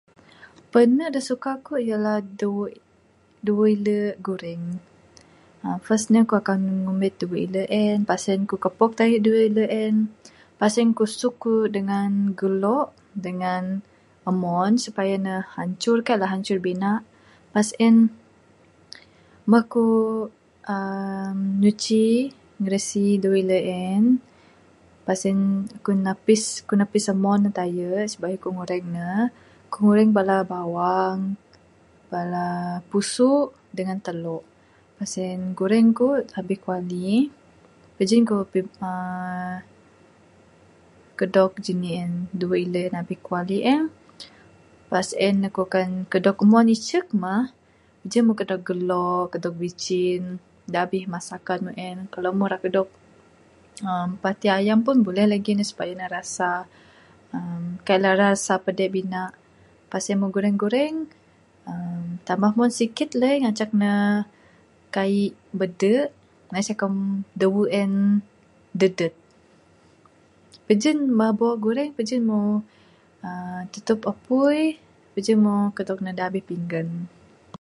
Panu da suka akuk ialah dawe, dawe ilu' gureng. First ne akuk akan ngumit dawe ilu en. Lepas en, akuk kopok tayu dawe ilu en. Pas sen kusuk kuk dengan gulok dengan umon supaya ne hancur. Kai lah hancur binak. Pas en, mbuh kuk uhh nyuci birasi dawe ilu en, kuk napis umon ne tayu sibayuh kuk ngureng ne. Ngureng bala bawang, bala pusuk dengan telok. Mbuh sen gureng kuk abih kuali. Pajin kuk uhh kudog dawe ilu abih kuali en. Pas en akuk akan kudog umon icuk mah. Pajin kudog gulok, kudog bicin da abih masakan muk en. Kalau mujk rak kudog pati ayam pun buleh lagi ne. Supaya ne rasa uhh kai ne rasa padek binak. Pas en muk gureng gureng uhh tambah mon sikit lagik.